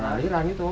ke warna laliran itu